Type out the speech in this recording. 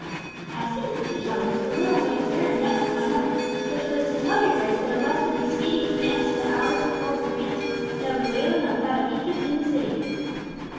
"I see," said Sir Thomas. "This little maid's errand jumps with mine own, which was to tell your Grace that unless there be speedy commands to the Howards to hold their hands, there will be wailing like that of Egypt in the City.